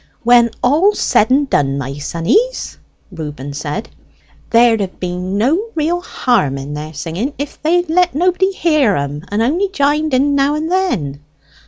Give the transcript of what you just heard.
"When all's said and done, my sonnies," Reuben said, "there'd have been no real harm in their singing if they had let nobody hear 'em, and only jined in now and then."